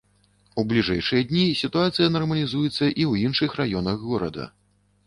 У бліжэйшыя дні сітуацыя нармалізуецца і ў іншых раёнах горада.